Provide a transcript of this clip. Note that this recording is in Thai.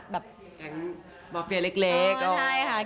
แก๊งบอร์เฟียเล็กอ๋อใช่ค่ะ